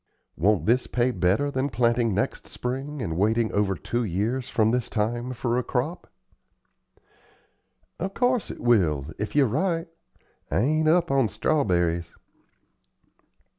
Won't this pay better than planting next spring and waiting over two years from this time for a crop?" "Of course it will, if you're right. I ain't up on strawberries."